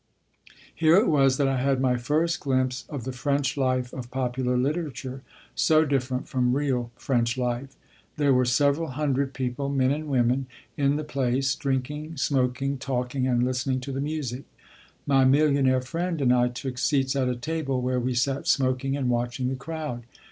Here it was that I had my first glimpse of the French life of popular literature, so different from real French life. There were several hundred people, men and women, in the place drinking, smoking, talking, and listening to the music. My millionaire friend and I took seats at a table, where we sat smoking and watching the crowd.